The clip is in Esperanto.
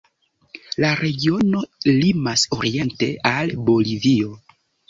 La regiono limas oriente al Bolivio.